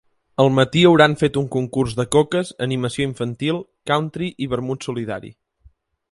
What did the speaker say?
Al matí hauran fet un concurs de coques, animació infantil, country i vermut solidari.